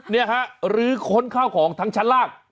เนี่ยฮะหรือคนเข้าของทางชั้นล่าง